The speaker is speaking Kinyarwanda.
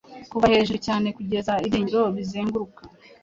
Kuva hejuru cyane kugeza ibyiringiro bizenguruka,